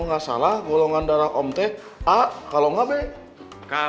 kamu tuh yang mau dilamot sama saya